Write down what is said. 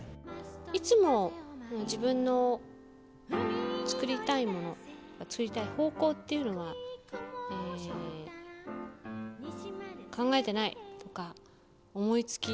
いつも自分の作りたいもの作りたい方向っていうのはええ「考えてない」とか思いつき